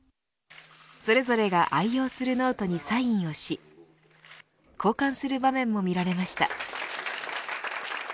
それぞれが愛用するノートにサインをし交換する場面も見られました。